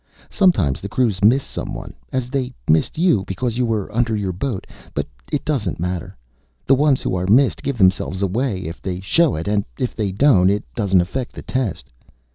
Sometimes the crews miss someone as they missed you, because you were under your boat. But it doesn't matter. The ones who are missed give themselves away if they show it and if they don't, it doesn't affect the test.